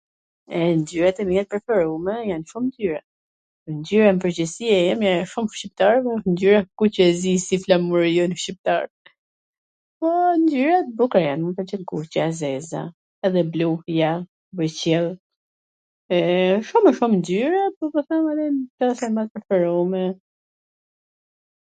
e, ngjyrat e mia t preferume jan shum ngjyra, ngjyra n pwrgjithsi e emja e shum shqiptarve wsht ngjyra kuq e zi, si flamuri jon shqiptar, po ngjyra t bukra jan, mw pwlqen e kuqja, e zeza, edhe bluja, bojqell, shum e shum ngjyra, por po them ato qw jan ma t preferume...